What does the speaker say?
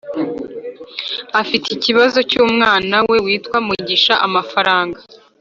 Afite ikibazo cyumwana we witwa Mugisha Amafaranga